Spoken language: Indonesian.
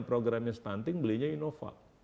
programnya stunting belinya inovat